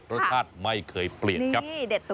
รสชาติไม่เคยเปลี่ยนครับ